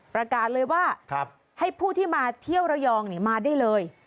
ประกาศเลยว่าให้ผู้ที่มาเที่ยวระยองมาได้เลย